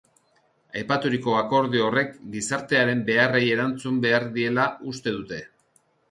Aipaturiko akordio horrek gizartearen beharrei erantzun behar diela uste dute.